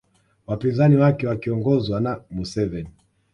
Wapinzani wake wakiongozwa na Museveni